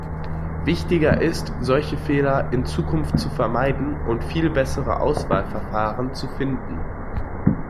Wichtiger ist, solche Fehler in Zukunft zu vermeiden und viel bessere Auswahlverfahren zu finden.